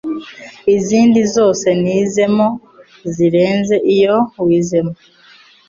izindi zose nizemo zirenze iyo wizemo